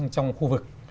trong khu vực